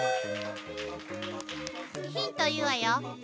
ヒント言うわよ。